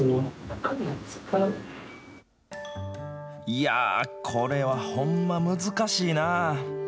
いやー、これはほんま難しいな。